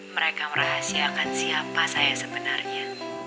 mereka merahasiakan siapa saya sebenarnya